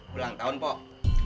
bulan tahun pok